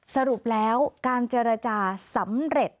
สรุปแล้วการเจรจาสำเร็จ